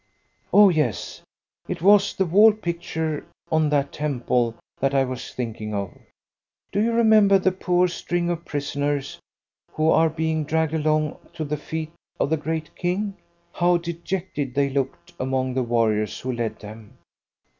"Oh yes; it was the wall picture on that temple that I was thinking of. Do you remember the poor string of prisoners who are being dragged along to the feet of the great king how dejected they looked among the warriors who led them?